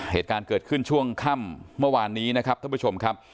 เหตุการณ์เกิดขึ้นช่วงค่ำเมื่อวานนี้นะครับท่านผู้ชมครับ